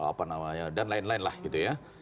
apa namanya dan lain lain lah gitu ya